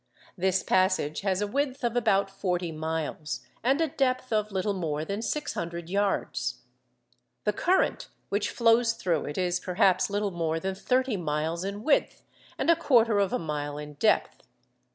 This passage has a width of about forty miles, and a depth of little more than six hundred yards. The current which flows through it is perhaps little more than thirty miles in width, and a quarter of a mile in depth.